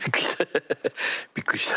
びっくりした。